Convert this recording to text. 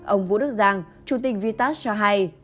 ông vũ đức giang chủ tịch vitas cho hay